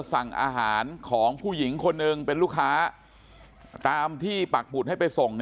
สั่งอาหารของผู้หญิงคนหนึ่งเป็นลูกค้าตามที่ปักบุตรให้ไปส่ง